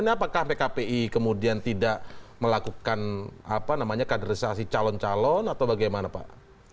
apakah pkpi kemudian tidak melakukan kaderisasi calon calon atau bagaimana pak